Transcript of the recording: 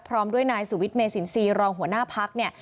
พร้อมด้วยนายสุวิตเมสินซีรองหัวหน้าภักดิ์